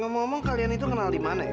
bisa ngomong kalian itu kenal dimana ya